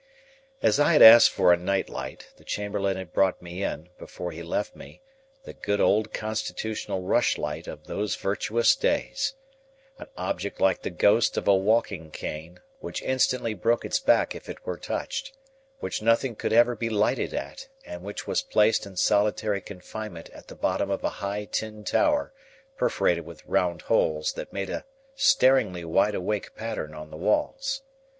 As I had asked for a night light, the chamberlain had brought me in, before he left me, the good old constitutional rushlight of those virtuous days—an object like the ghost of a walking cane, which instantly broke its back if it were touched, which nothing could ever be lighted at, and which was placed in solitary confinement at the bottom of a high tin tower, perforated with round holes that made a staringly wide awake pattern on the walls.